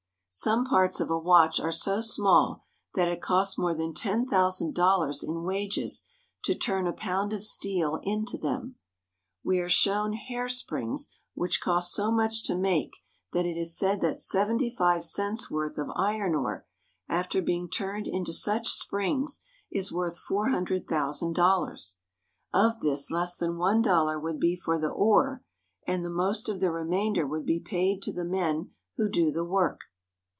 Some parts of a watch are so small that it costs more than ten thou sand dollars in wages to turn a pound of steel into them. We are shown hair springs which cost so much to make that it is said that seventy five cents' worth of iron ore, after being turned into such springs, is worth four hundred thousand dollars. Of this less than one dollar would be for the ore, and the most of the remainder would be paid to the men who do the work.